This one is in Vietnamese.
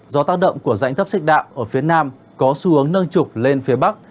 do tác động của dạnh thấp xích đạm ở phía nam có xu hướng nâng trục lên phía bắc